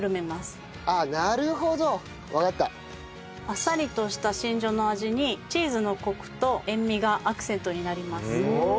あっさりとしたしんじょの味にチーズのコクと塩味がアクセントになります。